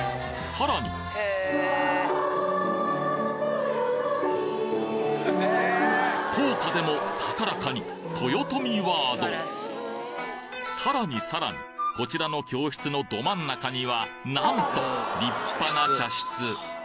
さらに校歌でも高らかに豊臣ワードさらにさらにこちらの教室のど真ん中にはなんと立派な茶室！